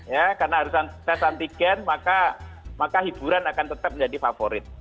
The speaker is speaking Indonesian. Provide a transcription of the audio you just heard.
ya karena harus tes antigen maka hiburan akan tetap menjadi favorit